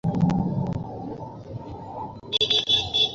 নিয়মানুযায়ী, শেষ ধাপে এটি ডিপো থেকে বন্দর দিয়ে জাহাজে তুলে দেওয়া হতো।